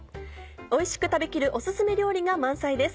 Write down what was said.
おいしく食べきるお薦め料理が満載です。